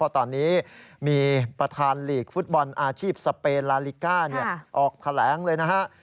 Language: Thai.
ตอนนี้มีประธานหลีกฟุตบอลอาชีพสเปนลาลิก้าออกแถลงเลยนะฮะ